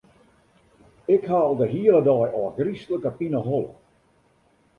Ik ha al de hiele dei ôfgryslike pineholle.